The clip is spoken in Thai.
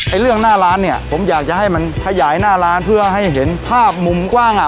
เรื่องหน้าร้านเนี่ยผมอยากจะให้มันขยายหน้าร้านเพื่อให้เห็นภาพมุมกว้างอ่ะ